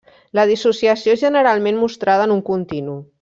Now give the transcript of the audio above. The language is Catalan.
La dissociació és generalment mostrada en un continu.